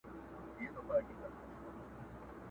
عاقبت یې په کوهي کي سر خوړلی!.